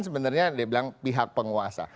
sebenarnya dia bilang pihak penguasa